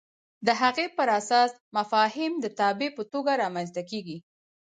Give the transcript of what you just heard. د هغې پر اساس مفاهیم د تابع په توګه رامنځته کېږي.